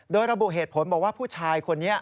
โดยระบุเหตุผลบอกว่าผู้ชายคนนี้